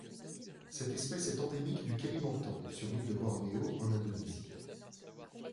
Cette espèce est endémique du Kalimantan sur l'île de Bornéo en Indonésie.